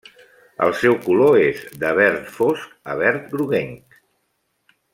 El seu color és de verd fosc a verd groguenc.